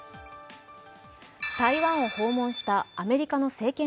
台湾を訪問したアメリカの政権